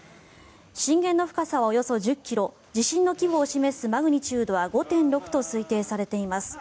震源の深さはおよそ１０ｋｍ地震の規模を示すマグニチュードは５．６と推定されています。